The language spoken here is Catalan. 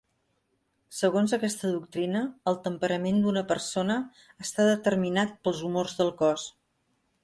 Segons aquesta doctrina, el temperament d'una persona està determinat pels humors del cos.